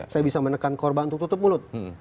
saya bisa menekan korban untuk tutup mulut